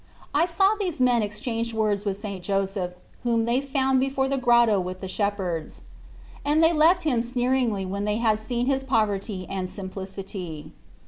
I saw these men exchange words with St. Joseph, whom they found before the grotto with the shepherds ; and they left him sneeringly when they had seen his poverty and simplicity.